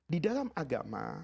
di dalam agama